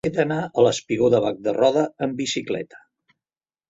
He d'anar al espigó de Bac de Roda amb bicicleta.